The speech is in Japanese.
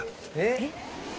「えっ！？」